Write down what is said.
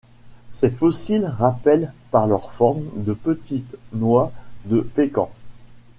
Ces fossiles rappellent par leur forme de petites noix de pécan.